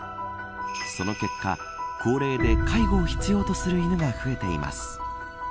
その結果、高齢で介護を必要とする犬が増えています。